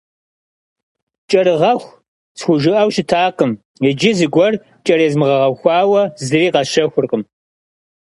«Кӏэрыгъэху» схужыӏэу щытакъым, иджы зыгуэр кӏэрезмыгъэгъэхуауэ зыри къэсщэхуркъым.